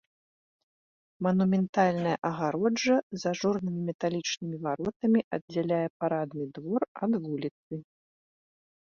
Манументальная агароджа з ажурнымі металічнымі варотамі аддзяляе парадны двор ад вуліцы.